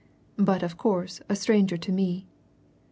But, of course, a stranger to me."